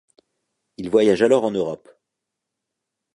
Il voyage alors en Europe.